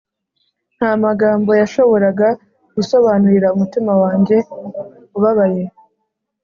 nta magambo yashoboraga gusobanurira umutima wanjye ubabaye,